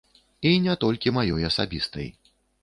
І не толькі маёй асабістай.